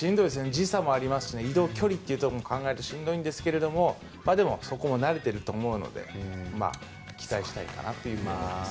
時差もありますし移動距離も考えるとしんどいんですけれどでも、そこも慣れていると思うので期待したいかなというふうに思います。